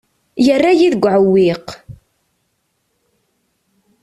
Yerra-yi deg uɛewwiq.